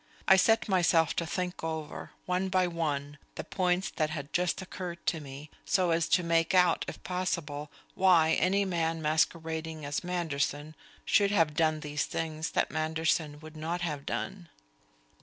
I set myself to think over, one by one, the points that had just occurred to me, so as to make out, if possible, why any man masquerading as Manderson should have done these things that Manderson would not have done.